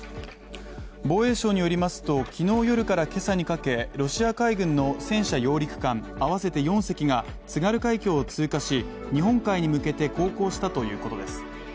防衛省によりますと、昨日夜から今朝にかけロシア海軍の戦車揚陸艦合わせて４隻が津軽海峡を通過し日本海に向けて航行したということです。